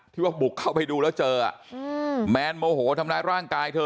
ว่าบุกเข้าไปดูแล้วเจอแมนโมโหทำร้ายร่างกายเธอ